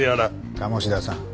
鴨志田さん